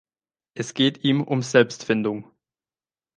Es geht ihm um Selbstfindung.